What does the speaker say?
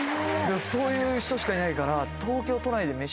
そういう人しかいないから。